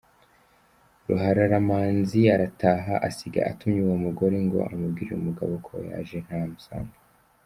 Ruhararamanzi arataha, asiga atumye uwo mugore ngo amubwirire umugabo ko yaje ntahamusange.